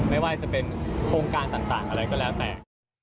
ไม่ว่าจะเป็นโครงการต่างอะไรก็แล้วแต่